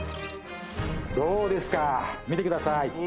どうですか見てください